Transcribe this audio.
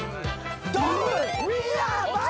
「ドン！」